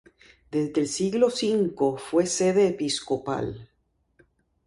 Desde el siglo V fue sede episcopal.